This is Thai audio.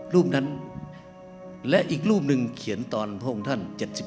รูปนั้นและอีกรูปหนึ่งเขียนตอนพระองค์ท่าน๗๒